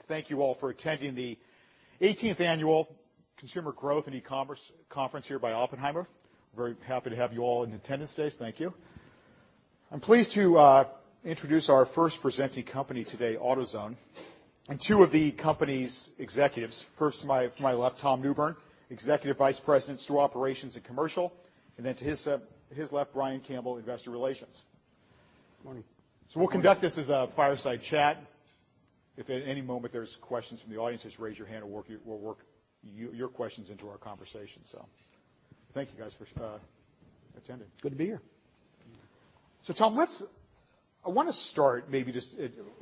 Thank you all for attending the 18th Annual Consumer Growth and E-Commerce Conference here by Oppenheimer. Very happy to have you all in attendance today, thank you. I am pleased to introduce our first presenting company today, AutoZone, and two of the company's executives. First, to my left, Tom Newbern, Executive Vice President of Operations and Commercial, and then to his left, Brian Campbell, Investor Relations. Morning. We will conduct this as a fireside chat. If at any moment there is questions from the audience, just raise your hand and we will work your questions into our conversation. Thank you guys for attending. Good to be here. Tom, I want to start maybe just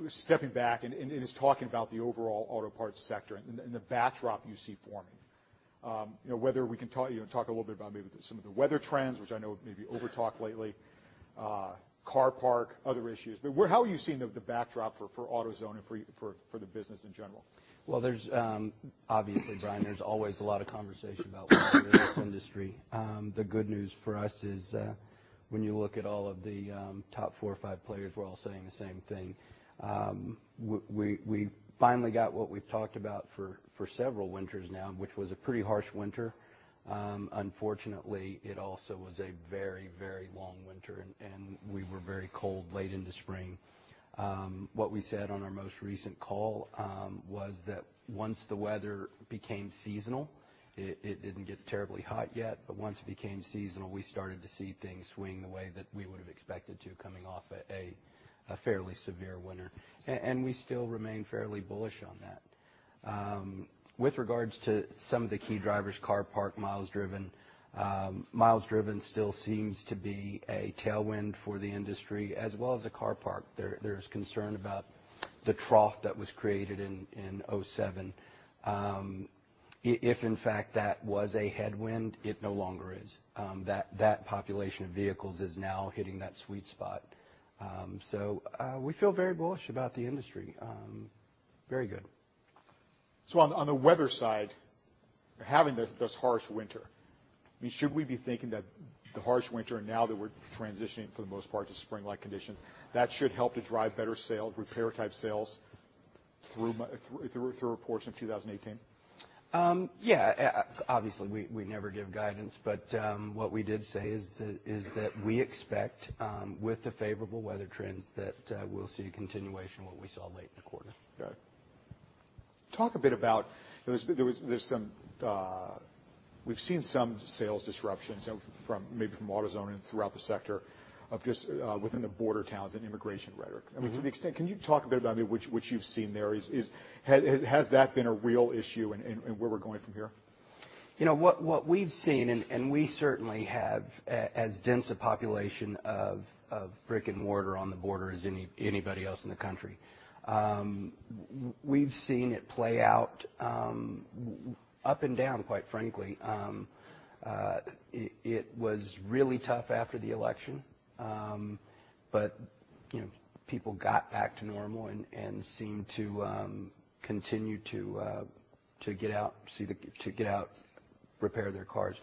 stepping back and just talking about the overall auto parts sector and the backdrop you see forming. Whether we can talk a little bit about maybe some of the weather trends, which I know may be over-talked lately, car park, other issues. How are you seeing the backdrop for AutoZone and for the business in general? Well, obviously, Brian, there's always a lot of conversation about in this industry. The good news for us is when you look at all of the top four or five players, we're all saying the same thing. We finally got what we've talked about for several winters now, which was a pretty harsh winter. Unfortunately, it also was a very, very long winter, and we were very cold late into spring. What we said on our most recent call was that once the weather became seasonal, it didn't get terribly hot yet, but once it became seasonal, we started to see things swing the way that we would've expected to coming off a fairly severe winter. We still remain fairly bullish on that. With regards to some of the key drivers, car park, miles driven. Miles driven still seems to be a tailwind for the industry, as well as the car park. There's concern about the trough that was created in 2007. If in fact that was a headwind, it no longer is. That population of vehicles is now hitting that sweet spot. We feel very bullish about the industry. Very good. On the weather side, having this harsh winter, should we be thinking that the harsh winter, now that we're transitioning for the most part to spring-like condition, that should help to drive better repair-type sales through reports in 2018? Yeah. Obviously, we never give guidance. What we did say is that we expect, with the favorable weather trends, that we'll see a continuation of what we saw late in the quarter. Got it. Talk a bit about, we've seen some sales disruptions, maybe from AutoZone and throughout the sector, of just within the border towns and immigration rhetoric. Can you talk a bit about what you've seen there? Has that been a real issue in where we're going from here? What we've seen, we certainly have as dense a population of brick-and-mortar on the border as anybody else in the country. We've seen it play out up and down, quite frankly. It was really tough after the election. People got back to normal and seemed to continue to get out, repair their cars.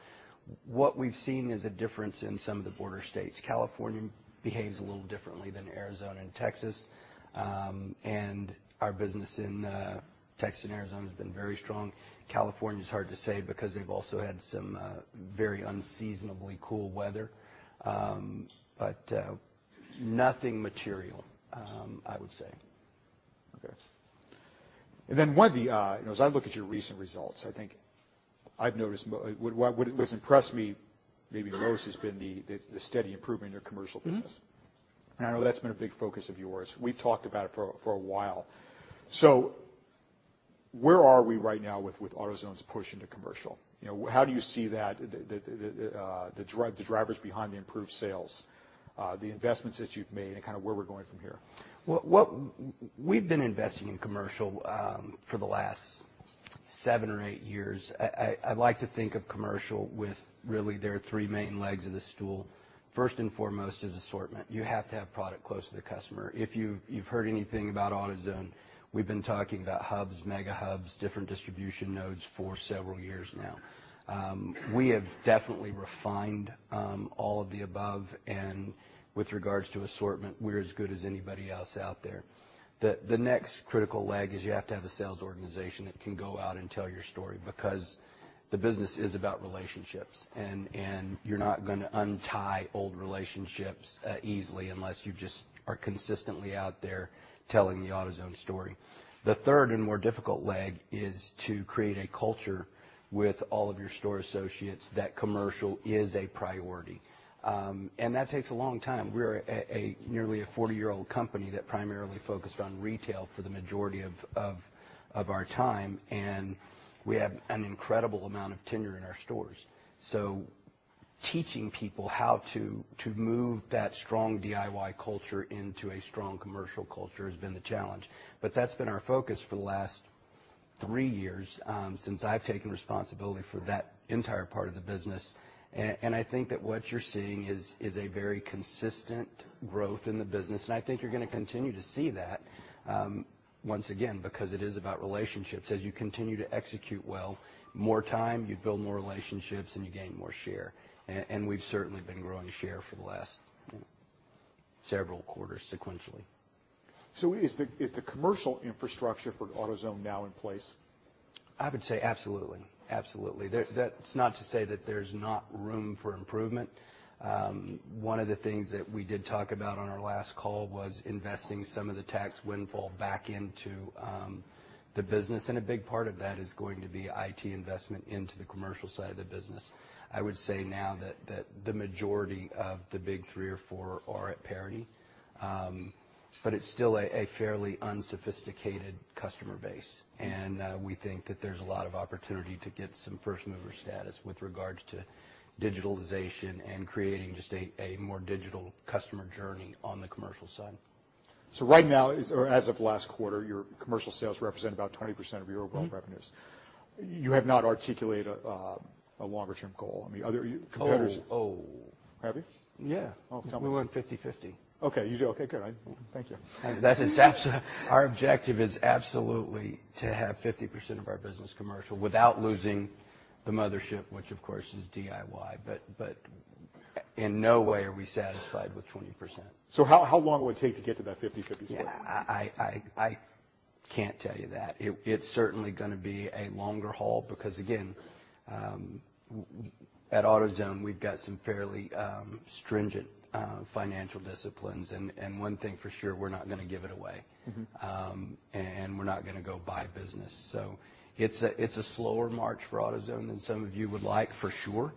What we've seen is a difference in some of the border states. California behaves a little differently than Arizona and Texas. Our business in Texas and Arizona has been very strong. California's hard to say because they've also had some very unseasonably cool weather. Nothing material, I would say. Okay. As I look at your recent results, I think what's impressed me maybe most has been the steady improvement in your commercial business. I know that's been a big focus of yours. We've talked about it for a while. Where are we right now with AutoZone's push into commercial? How do you see the drivers behind the improved sales, the investments that you've made, and kind of where we're going from here? We've been investing in commercial for the last seven or eight years. I like to think of commercial with really their three main legs of the stool. First and foremost is assortment. You have to have product close to the customer. If you've heard anything about AutoZone, we've been talking about hubs, mega hubs, different distribution nodes for several years now. We have definitely refined all of the above, and with regards to assortment, we're as good as anybody else out there. The next critical leg is you have to have a sales organization that can go out and tell your story because the business is about relationships, and you're not going to untie old relationships easily unless you just are consistently out there telling the AutoZone story. The third and more difficult leg is to create a culture with all of your store associates that commercial is a priority. That takes a long time. We're nearly a 40-year-old company that primarily focused on retail for the majority of our time, and we have an incredible amount of tenure in our stores. Teaching people how to move that strong DIY culture into a strong commercial culture has been the challenge. That's been our focus for the last three years, since I've taken responsibility for that entire part of the business. I think that what you're seeing is a very consistent growth in the business, and I think you're going to continue to see that, once again, because it is about relationships. As you continue to execute well, more time, you build more relationships, and you gain more share. We've certainly been growing share for the last several quarters sequentially. Is the commercial infrastructure for AutoZone now in place? I would say absolutely. That's not to say that there's not room for improvement. One of the things that we did talk about on our last call was investing some of the tax windfall back into the business, and a big part of that is going to be IT investment into the commercial side of the business. I would say now that the majority of the big three or four are at parity. It's still a fairly unsophisticated customer base. We think that there's a lot of opportunity to get some first-mover status with regards to digitalization and creating just a more digital customer journey on the commercial side. Right now, or as of last quarter, your commercial sales represent about 20% of your overall- revenues. You have not articulated a longer-term goal. Other competitors- Oh. Oh. Have you? Yeah. Oh, tell me. We want 50/50. Okay. Good. Thank you. Our objective is absolutely to have 50% of our business commercial without losing the mothership, which of course is DIY. In no way are we satisfied with 20%. How long will it take to get to that 50/50 split? I can't tell you that. It's certainly going to be a longer haul because again, at AutoZone, we've got some fairly stringent financial disciplines. One thing for sure, we're not going to give it away. We're not going to go buy a business. It's a slower march for AutoZone than some of you would like, for sure.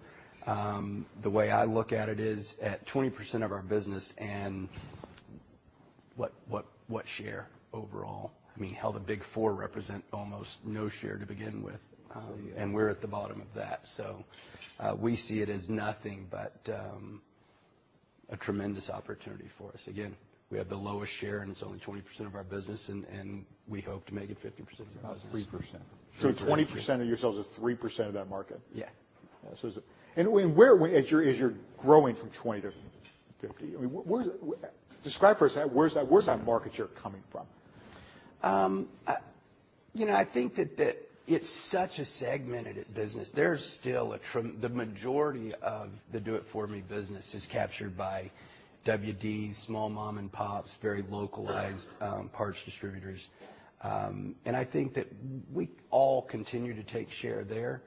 The way I look at it is at 20% of our business and what share overall. Hell, the big four represent almost no share to begin with. That's right. Yeah. We're at the bottom of that. We see it as nothing but a tremendous opportunity for us. Again, we have the lowest share, it's only 20% of our business, we hope to make it 50% of our business. About 3%. 3%. 20% of your sales is 3% of that market. Yeah. As you're growing from 20 to 50, describe for us where that market share coming from? I think that it's such a segmented business. The majority of the do-it-for-me business is captured by WDs, small mom and pops, very localized parts distributors. I think that we all continue to take share there.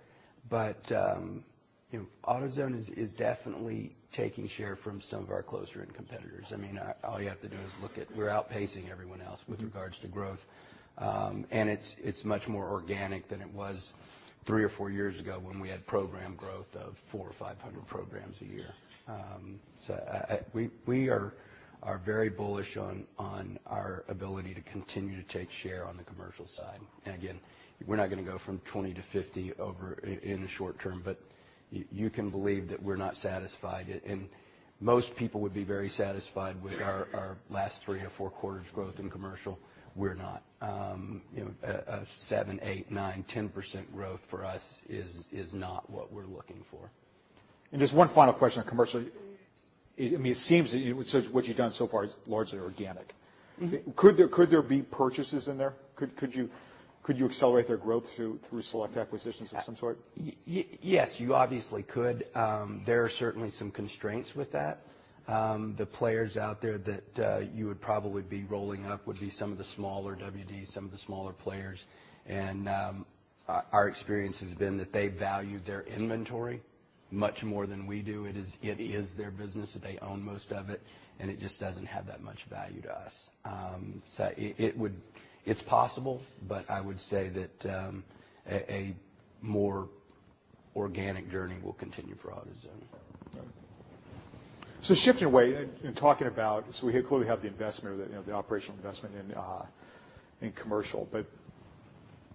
AutoZone is definitely taking share from some of our closer in competitors. All you have to do is look at we're outpacing everyone else. With regards to growth. It's much more organic than it was three or four years ago when we had program growth of 400 or 500 programs a year. We are very bullish on our ability to continue to take share on the commercial side. Again, we're not going to go from 20 to 50 in the short term, but you can believe that we're not satisfied. Most people would be very satisfied with our last three or four quarters growth in commercial. We're not. A seven, eight, nine, 10% growth for us is not what we're looking for. Just one final question on commercial. It seems that what you've done so far is largely organic. Could there be purchases in there? Could you accelerate their growth through select acquisitions of some sort? Yes. You obviously could. There are certainly some constraints with that. The players out there that you would probably be rolling up would be some of the smaller WDs, some of the smaller players. Our experience has been that they value their inventory much more than we do. It is their business, that they own most of it, and it just doesn't have that much value to us. It's possible, but I would say that a more organic journey will continue for AutoZone. Shifting away and talking about, so we clearly have the operational investment in commercial.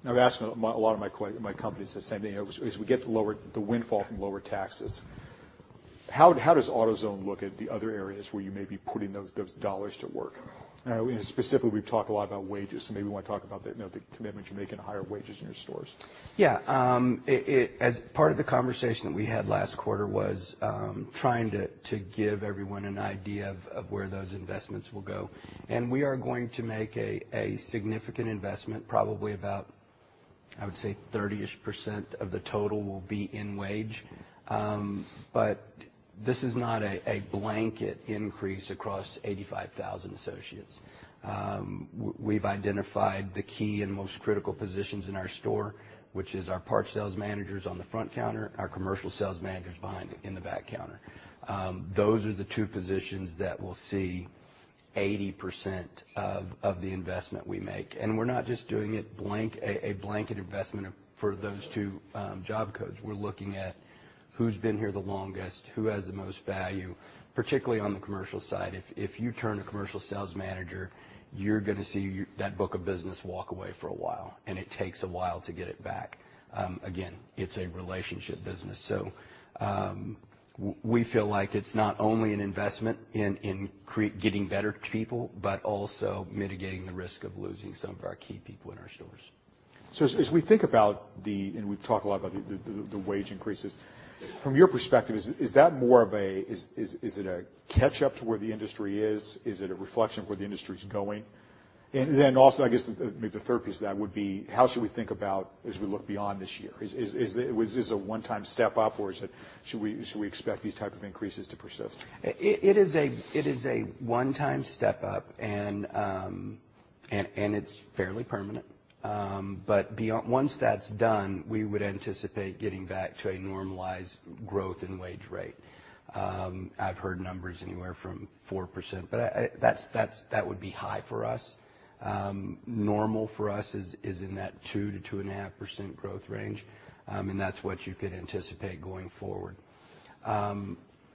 I've asked a lot of my companies the same thing. As we get the windfall from lower taxes, how does AutoZone look at the other areas where you may be putting those dollars to work? Specifically, we've talked a lot about wages, so maybe we want to talk about the commitment you're making to higher wages in your stores. As part of the conversation that we had last quarter was trying to give everyone an idea of where those investments will go. We are going to make a significant investment, probably about, I would say, 30% of the total will be in wage. This is not a blanket increase across 85,000 associates. We've identified the key and most critical positions in our store, which is our parts sales managers on the front counter, our commercial sales managers behind in the back counter. Those are the two positions that will see 80% of the investment we make. We're not just doing a blanket investment for those two job codes. We're looking at who's been here the longest, who has the most value, particularly on the commercial side. If you turn a commercial sales manager, you're going to see that book of business walk away for a while, and it takes a while to get it back. Again, it's a relationship business. We feel like it's not only an investment in getting better people, but also mitigating the risk of losing some of our key people in our stores. As we think about the, we've talked a lot about the wage increases, from your perspective, is it a catch-up to where the industry is? Is it a reflection of where the industry's going? Then also, I guess, maybe the third piece of that would be how should we think about as we look beyond this year? Is this a one-time step up, or should we expect these type of increases to persist? It is a one-time step up, and it's fairly permanent. Once that's done, we would anticipate getting back to a normalized growth in wage rate. I've heard numbers anywhere from 4%, but that would be high for us. Normal for us is in that 2%-2.5% growth range. That's what you could anticipate going forward.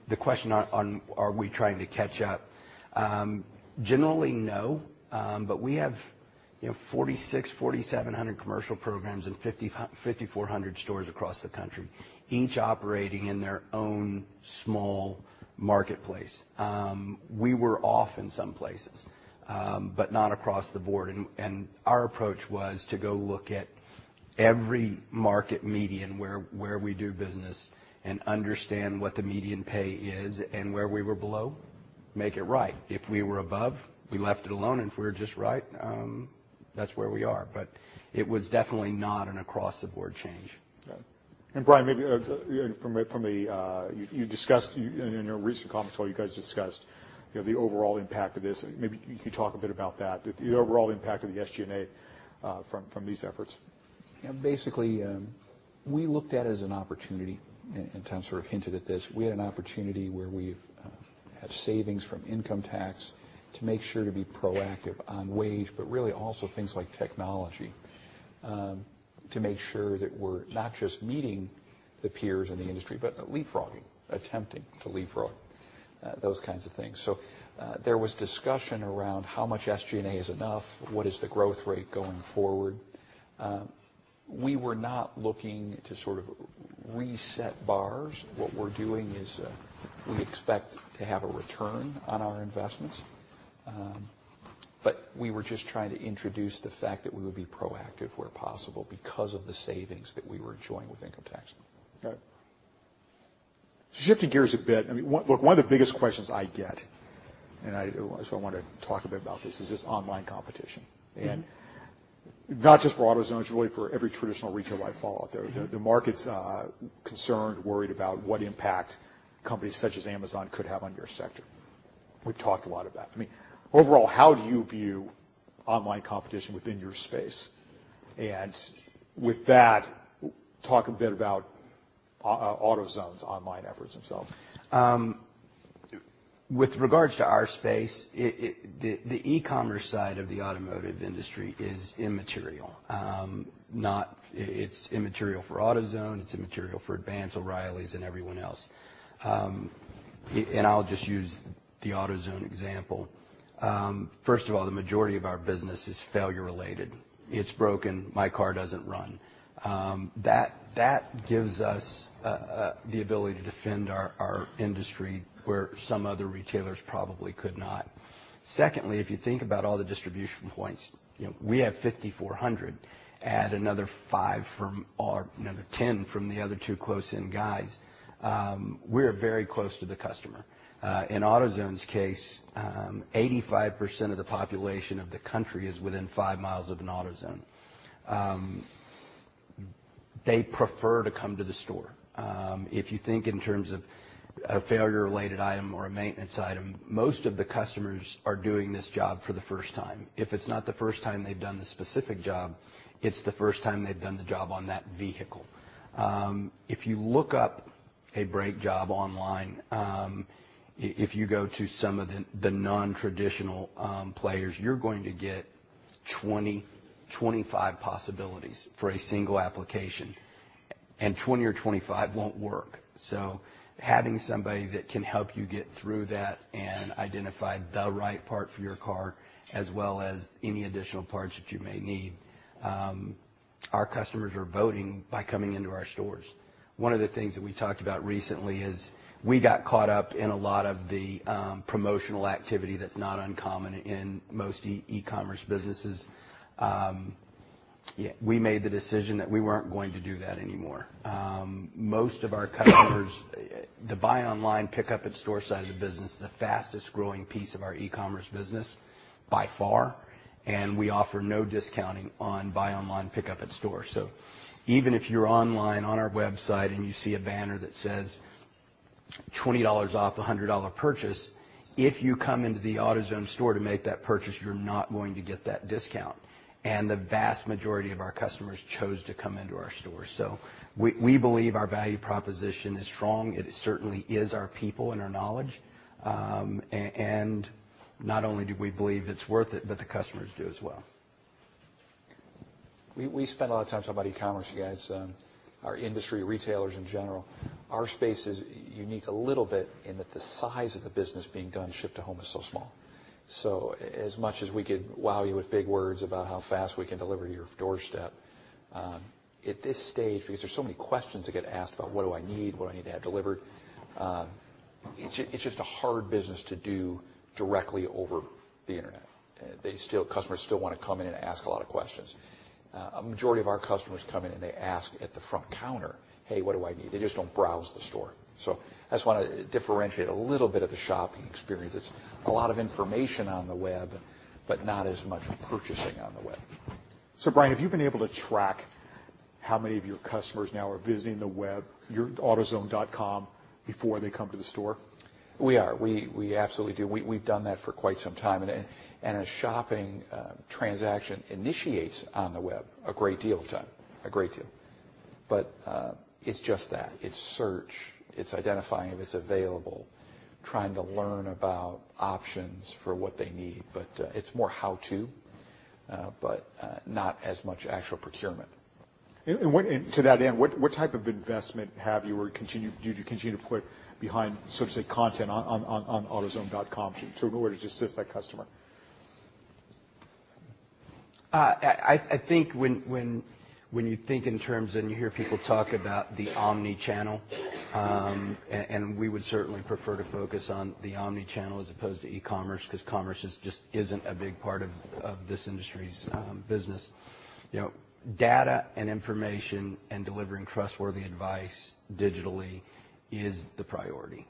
The question on are we trying to catch up? Generally, no. We have 4,600, 4,700 commercial programs and 5,400 stores across the country, each operating in their own small marketplace. We were off in some places but not across the board, and our approach was to go look at every market median where we do business and understand what the median pay is, and where we were below, make it right. If we were above, we left it alone, and if we were just right, that's where we are. It was definitely not an across-the-board change. Yeah. Brian, you discussed in your recent commentary, you guys discussed the overall impact of this. Maybe you could talk a bit about that, the overall impact of the SG&A from these efforts. Yeah, basically, we looked at it as an opportunity. Tom sort of hinted at this. We had an opportunity where we have savings from income tax to make sure to be proactive on wage, but really also things like technology, to make sure that we're not just meeting the peers in the industry, but leapfrogging, attempting to leapfrog those kinds of things. There was discussion around how much SG&A is enough, what is the growth rate going forward? We were not looking to sort of reset bars. What we're doing is we expect to have a return on our investments. We were just trying to introduce the fact that we would be proactive where possible because of the savings that we were enjoying with income tax. Okay. Shifting gears a bit. Look, one of the biggest questions I get, I want to talk a bit about this, is this online competition. Not just for AutoZone, it's really for every traditional retailer I follow. The market's concerned, worried about what impact companies such as Amazon could have on your sector. We've talked a lot about it. Overall, how do you view online competition within your space? With that, talk a bit about AutoZone's online efforts themselves. With regards to our space, the e-commerce side of the automotive industry is immaterial. It's immaterial for AutoZone, it's immaterial for Advance, O'Reilly's, and everyone else. I'll just use the AutoZone example. First of all, the majority of our business is failure related. It's broken. My car doesn't run. That gives us the ability to defend our industry where some other retailers probably could not. Secondly, if you think about all the distribution points, we have 5,400. Add another 10 from the other two close-in guys, we're very close to the customer. In AutoZone's case, 85% of the population of the country is within five miles of an AutoZone. They prefer to come to the store. If you think in terms of a failure-related item or a maintenance item, most of the customers are doing this job for the first time. If it's not the first time they've done the specific job, it's the first time they've done the job on that vehicle. If you look up a brake job online, if you go to some of the non-traditional players, you're going to get 20, 25 possibilities for a single application. 20 or 25 won't work. Having somebody that can help you get through that and identify the right part for your car as well as any additional parts that you may need, our customers are voting by coming into our stores. One of the things that we talked about recently is we got caught up in a lot of the promotional activity that's not uncommon in most e-commerce businesses. We made the decision that we weren't going to do that anymore. Most of our customers, the buy online, pick up at store side of the business is the fastest growing piece of our e-commerce business by far, we offer no discounting on buy online, pick up at store. Even if you're online on our website and you see a banner that says $20 off a $100 purchase, if you come into the AutoZone store to make that purchase, you're not going to get that discount. The vast majority of our customers chose to come into our stores. We believe our value proposition is strong. It certainly is our people and our knowledge. Not only do we believe it's worth it, but the customers do as well. We spend a lot of time talking about e-commerce, you guys. Our industry, retailers in general, our space is unique a little bit in that the size of the business being done shipped to home is so small. As much as we could wow you with big words about how fast we can deliver to your doorstep, at this stage, because there's so many questions that get asked about what do I need, what do I need to have delivered? It's just a hard business to do directly over the internet. Customers still want to come in and ask a lot of questions. A majority of our customers come in, and they ask at the front counter, "Hey, what do I need?" They just don't browse the store. I just want to differentiate a little bit of the shopping experience. It's a lot of information on the web, not as much purchasing on the web. Brian, have you been able to track how many of your customers now are visiting the web, autozone.com, before they come to the store? We are. We absolutely do. We've done that for quite some time. A shopping transaction initiates on the web a great deal of the time. A great deal. It's just that. It's search, it's identifying if it's available, trying to learn about options for what they need. It's more how-to but not as much actual procurement. To that end, what type of investment have you, or do you continue to put behind, sort of say, content on autozone.com in order to assist that customer? I think when you think in terms and you hear people talk about the omnichannel, we would certainly prefer to focus on the omnichannel as opposed to e-commerce, because commerce just isn't a big part of this industry's business. Data and information and delivering trustworthy advice digitally is the priority.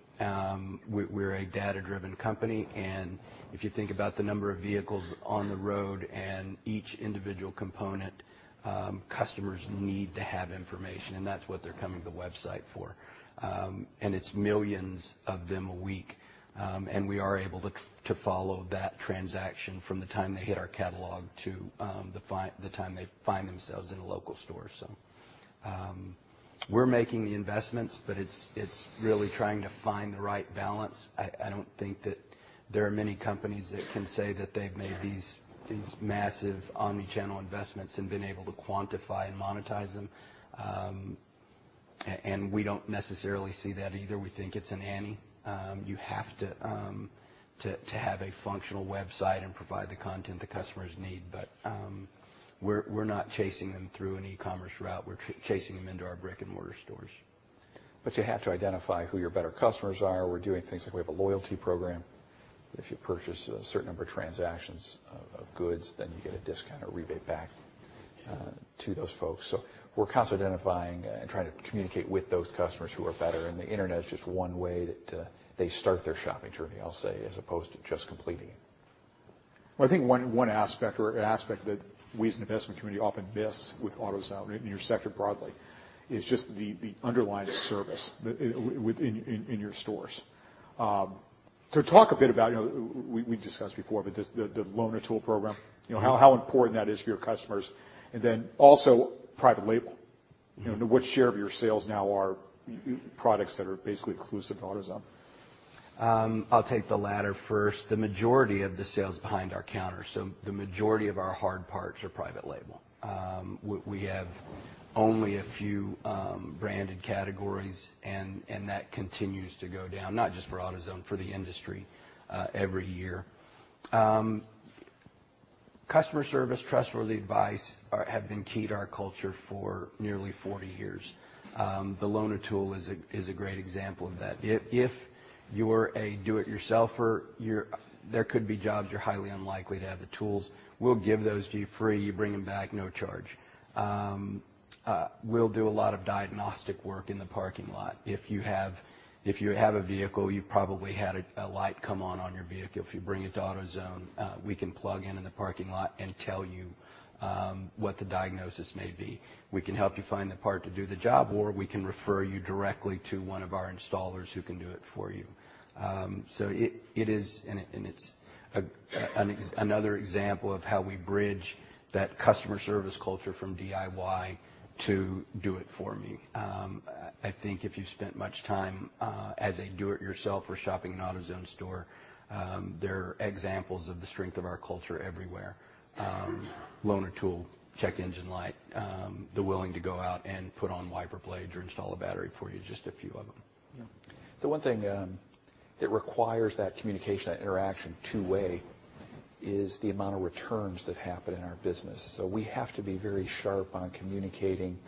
We're a data-driven company, if you think about the number of vehicles on the road and each individual component, customers need to have information, and that's what they're coming to the website for. It's millions of them a week. We are able to follow that transaction from the time they hit our catalog to the time they find themselves in a local store. We're making the investments, but it's really trying to find the right balance. I don't think that there are many companies that can say that they've made these massive omnichannel investments and been able to quantify and monetize them. We don't necessarily see that either. We think it's a ante. You have to have a functional website and provide the content the customers need. We're not chasing them through an e-commerce route. We're chasing them into our brick-and-mortar stores. You have to identify who your better customers are. We're doing things like we have a loyalty program. If you purchase a certain number of transactions of goods, then you get a discount or rebate back to those folks. We're constantly identifying and trying to communicate with those customers who are better, the internet is just one way that they start their shopping journey, I'll say, as opposed to just completing it. I think one aspect, or an aspect that we as an investment community often miss with AutoZone and your sector broadly, is just the underlying service within your stores. Talk a bit about, we discussed before, but the Loan-A-Tool program. How important that is for your customers. Then also private label. What share of your sales now are products that are basically exclusive to AutoZone? I'll take the latter first. The majority of the sales are behind our counter, the majority of our hard parts are private label. We have only a few branded categories, that continues to go down, not just for AutoZone, for the industry every year. Customer service, trustworthy advice have been key to our culture for nearly 40 years. The Loan-A-Tool is a great example of that. If you're a do-it-yourselfer, there could be jobs you're highly unlikely to have the tools. We'll give those to you for free. You bring them back, no charge. We'll do a lot of diagnostic work in the parking lot. If you have a vehicle, you probably had a light come on on your vehicle. If you bring it to AutoZone, we can plug in in the parking lot and tell you what the diagnosis may be. We can help you find the part to do the job, we can refer you directly to one of our installers who can do it for you. It's another example of how we bridge that customer service culture from DIY to do-it-for-me. I think if you've spent much time as a do-it-yourselfer shopping in an AutoZone store, there are examples of the strength of our culture everywhere. Loan-A-Tool, check engine light, the willing to go out and put on wiper blades or install a battery for you are just a few of them. Yeah. The one thing that requires that communication, that interaction two-way, is the amount of returns that happen in our business. We have to be very sharp on communicating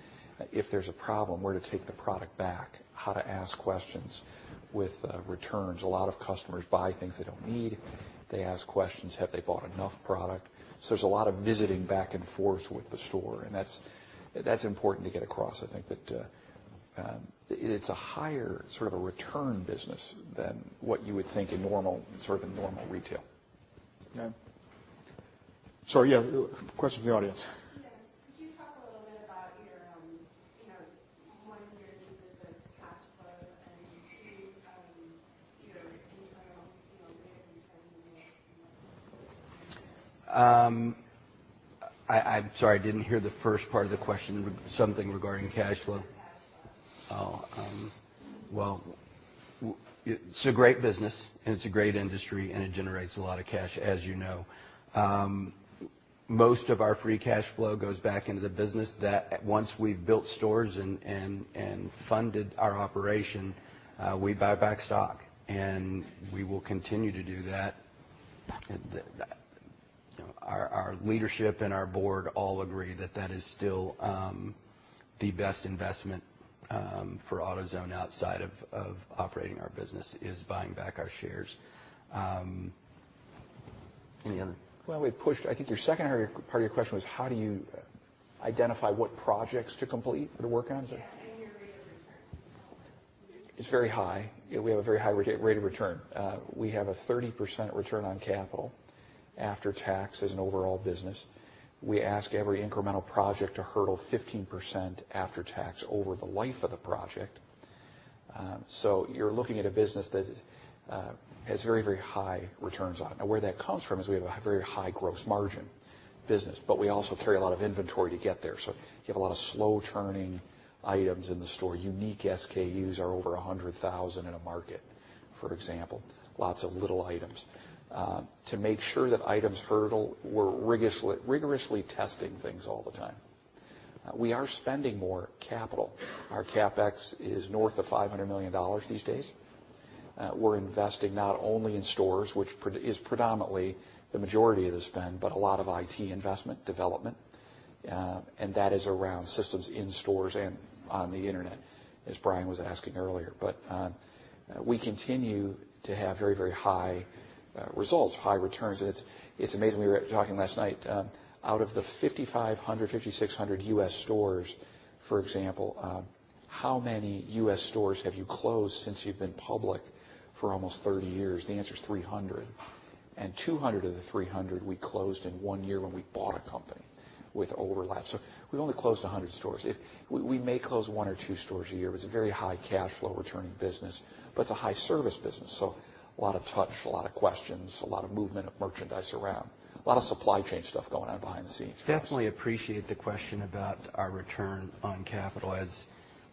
if there's a problem, where to take the product back, how to ask questions with returns. A lot of customers buy things they don't need. They ask questions, have they bought enough product? There's a lot of visiting back and forth with the store, that's important to get across, I think. That it's a higher sort of a return business than what you would think in normal retail. Yeah. Sorry. Yeah. Question from the audience. Yeah. Could you talk a little bit about one of your uses of cash flow and two, your internal I'm sorry, I didn't hear the first part of the question, but something regarding cash flow. Cash flow. Well, it's a great business and it's a great industry and it generates a lot of cash as you know. Most of our free cash flow goes back into the business that once we've built stores and funded our operation, we buy back stock, and we will continue to do that. Our leadership and our board all agree that that is still the best investment for AutoZone outside of operating our business, is buying back our shares. Any other? Well, I think your second part of your question was how do you identify what projects to complete or to work on? Is that? Yeah. Your regional It's very high. We have a very high rate of return. We have a 30% return on capital after tax as an overall business. We ask every incremental project to hurdle 15% after tax over the life of the project. You're looking at a business that has very high returns on it. Now, where that comes from is we have a very high gross margin business, but we also carry a lot of inventory to get there. You have a lot of slow-turning items in the store. Unique SKUs are over 100,000 in a market, for example. Lots of little items. To make sure that items hurdle, we're rigorously testing things all the time. We are spending more capital. Our CapEx is north of $500 million these days. We're investing not only in stores, which is predominantly the majority of the spend, but a lot of IT investment development. That is around systems in stores and on the internet, as Brian was asking earlier. We continue to have very high results, high returns. It's amazing. We were talking last night. Out of the 5,500, 5,600 U.S. stores, for example, how many U.S. stores have you closed since you've been public for almost 30 years? The answer is 300. 200 of the 300 we closed in one year when we bought a company with overlap. We only closed 100 stores. We may close one or two stores a year. It's a very high cash flow returning business, but it's a high service business. A lot of touch, a lot of questions, a lot of movement of merchandise around. A lot of supply chain stuff going on behind the scenes. Definitely appreciate the question about our return on capital, as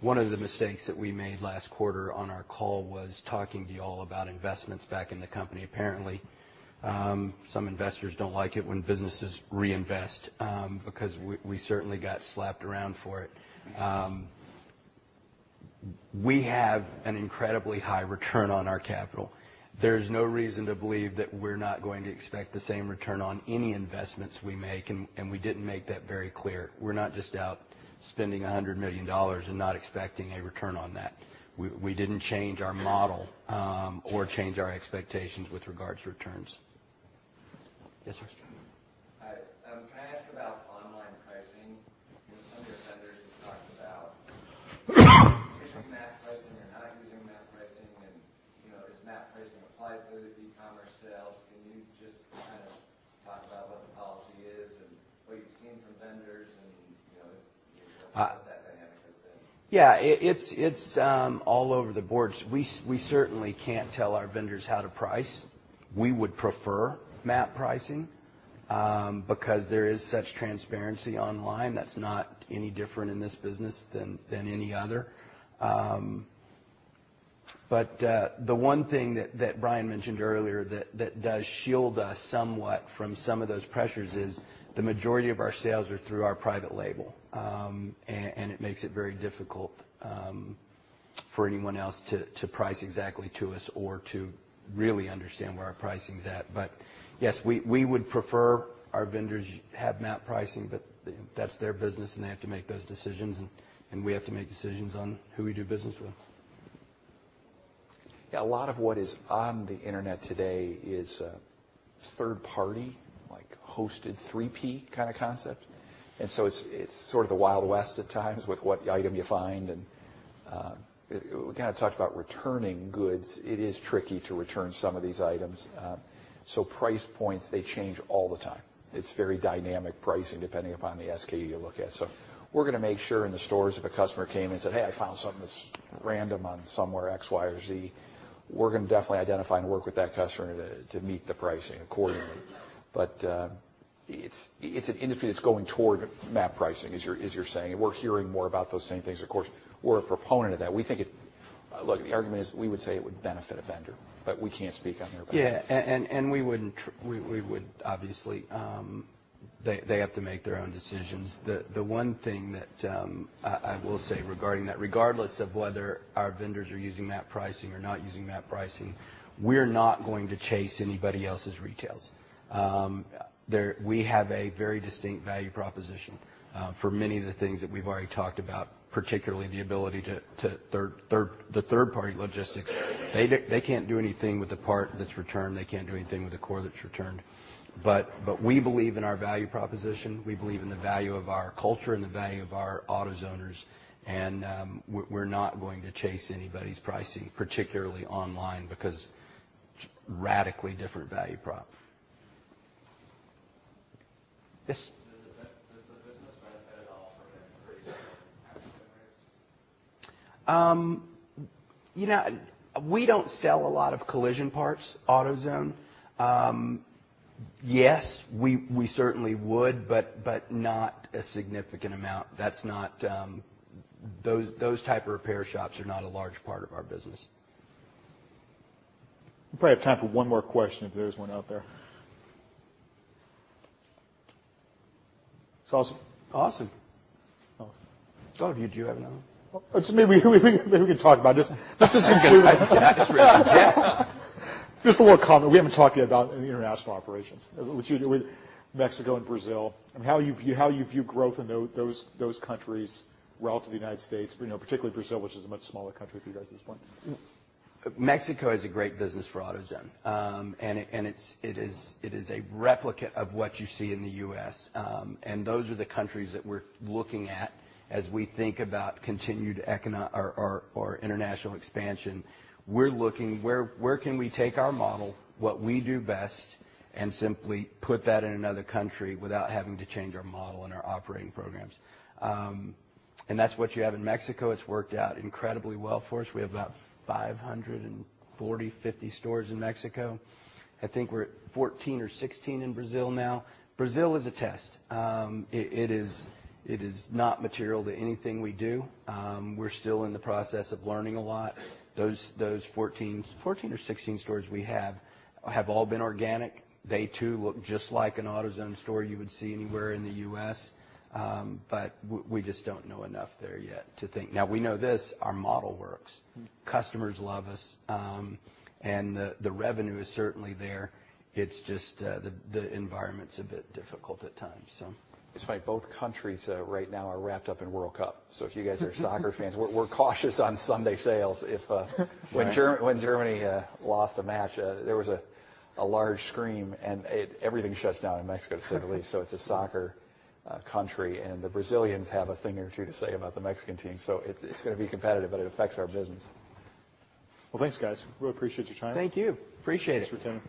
one of the mistakes that we made last quarter on our call was talking to you all about investments back in the company. Apparently, some investors don't like it when businesses reinvest because we certainly got slapped around for it. We have an incredibly high return on our capital. There's no reason to believe that we're not going to expect the same return on any investments we make, and we didn't make that very clear. We're not just out spending $100 million and not expecting a return on that. We didn't change our model or change our expectations with regards to returns. Yes. Hi. Can I ask about online pricing? Some of your vendors have talked about using MAP pricing and not using MAP pricing. Is MAP pricing applied for the e-commerce sales? Can you just kind of talk about what the policy is and what you've seen from vendors and what that dynamic has been? Yeah. It's all over the board. We certainly can't tell our vendors how to price. We would prefer MAP pricing because there is such transparency online that's not any different in this business than any other. The one thing that Brian mentioned earlier that does shield us somewhat from some of those pressures is the majority of our sales are through our private label. It makes it very difficult for anyone else to price exactly to us or to really understand where our pricing's at. Yes, we would prefer our vendors have MAP pricing, but that's their business, and they have to make those decisions, and we have to make decisions on who we do business with. Yeah. A lot of what is on the internet today is third party, like hosted 3P kind of concept. It's sort of the Wild West at times with what item you find and we kind of talked about returning goods. It is tricky to return some of these items. Price points, they change all the time. It's very dynamic pricing depending upon the SKU you look at. We're going to make sure in the stores if a customer came and said, "Hey, I found something that's random on somewhere X, Y, or Z," we're going to definitely identify and work with that customer to meet the pricing accordingly. It's an industry that's going toward MAP pricing, as you're saying. We're hearing more about those same things. Of course, we're a proponent of that. Look, the argument is we would say it would benefit a vendor, we can't speak on their behalf. Yeah. We would obviously. They have to make their own decisions. The one thing that I will say regarding that, regardless of whether our vendors are using MAP pricing or not using MAP pricing, we're not going to chase anybody else's retails. We have a very distinct value proposition for many of the things that we've already talked about, particularly the ability to the third-party logistics. They can't do anything with the part that's returned. They can't do anything with the core that's returned. We believe in our value proposition. We believe in the value of our culture and the value of our AutoZoners, we're not going to chase anybody's pricing, particularly online, because radically different value prop. Yes. Does the business benefit at all from increased accident rates? We don't sell a lot of collision parts, AutoZone. Yes, we certainly would, but not a significant amount. Those type of repair shops are not a large part of our business. We probably have time for one more question if there is one out there. It's Austin. Austin. Oh. Do you have another one? Maybe we can talk about this. This is included. Jack is ready. Jack. Just a little comment. We haven't talked yet about international operations with Mexico and Brazil and how you view growth in those countries relative to the U.S., particularly Brazil, which is a much smaller country for you guys at this point. Mexico is a great business for AutoZone. It is a replicate of what you see in the U.S. Those are the countries that we're looking at as we think about continued international expansion. We're looking where can we take our model, what we do best, and simply put that in another country without having to change our model and our operating programs. That's what you have in Mexico. It's worked out incredibly well for us. We have about 540, 550 stores in Mexico. I think we're at 14 or 16 in Brazil now. Brazil is a test. It is not material to anything we do. We're still in the process of learning a lot. Those 14 or 16 stores we have have all been organic. They too look just like an AutoZone store you would see anywhere in the U.S. We just don't know enough there yet to think. Now we know this, our model works. Customers love us. The revenue is certainly there. It's just the environment's a bit difficult at times. It's funny, both countries right now are wrapped up in World Cup. If you guys are soccer fans, we're cautious on Sunday sales. When Germany lost a match there was a large scream and everything shuts down in Mexico, seemingly. It's a soccer country, and the Brazilians have a thing or two to say about the Mexican team. It's going to be competitive, but it affects our business. Well, thanks, guys. We appreciate your time. Thank you. Appreciate it. Thanks for attending.